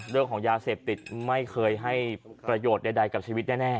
เรื่องของยาเสพติดไม่เคยให้ประโยชน์ใดกับชีวิตแน่